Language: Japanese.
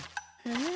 え？